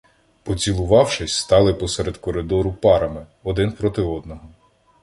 Поцілувавшись, стали посеред коридору парами, один проти одного.